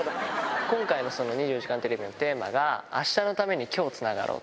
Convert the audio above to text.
今回の２４時間テレビのテーマが、明日のために、今日つながろう。